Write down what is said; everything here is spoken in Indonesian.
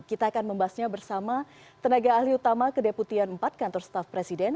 kita akan membahasnya bersama tenaga ahli utama kedeputian empat kantor staff presiden